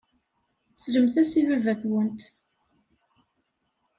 Sellemt-as i baba-twent.